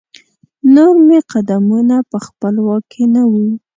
نور مې قدمونه په خپل واک کې نه وو.